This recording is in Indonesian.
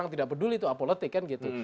yang tidak peduli itu apolitik kan gitu